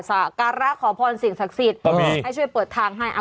การะขอพรสิ่งศักดิ์สิทธิ์ให้ช่วยเปิดทางให้